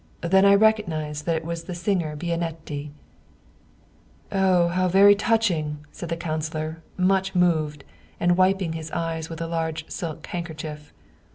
Then I recognized that it was the singer Bianetti." " Oh, how very touching !" said the councilor, much moved, and wiping his eyes with a large silk handkerchief.